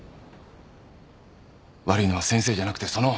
悪いのは先生じゃなくてその。